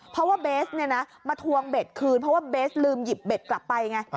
เพราะว่าเบสมาทวงเบสคืนเพราะว่าเบสลืมหยิบเบสกลับไป